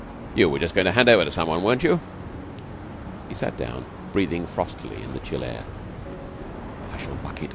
You were just going to hand over to someone, weren't you?" He sat down, breathing frostily in the chill air. "I shall muck it.